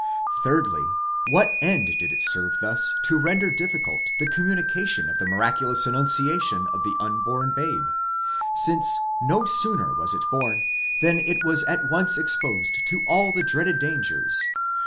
Thirdly, what end did it serve thus to render difficult the communi cation of the miraculous annunciation of the unborn babe, since no sooner was it born than it was at once exposed to all the dreaded dangers